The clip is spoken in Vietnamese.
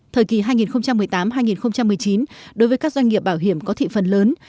thời kỳ hai nghìn một mươi tám hai nghìn một mươi chín đối với các doanh nghiệp bảo hiểm có thị phần lớn